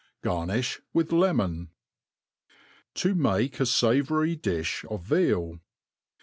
Garnifh with lemon* To make a Savoury Dijh of Veal.